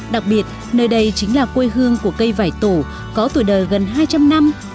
đặc biệt nơi đây chính là quê hương của cây vải tổ có tuổi đời gần hai trăm linh năm